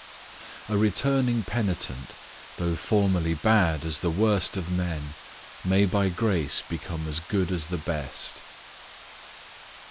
A returning penitent, though formerly bad as the worst of men, may by grace become as good as the best.